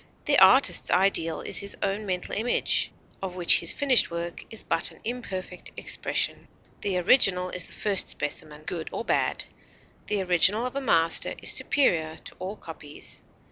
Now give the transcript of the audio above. The artist's ideal is his own mental image, of which his finished work is but an imperfect expression. The original is the first specimen, good or bad; the original of a master is superior to all copies.